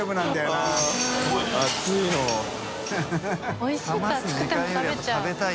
おいしいと熱くても食べちゃう。